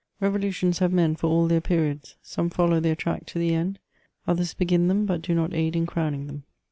Revolutions have men for all their periods : some follow their track to the end, others begin them, but do not aid in crowning them.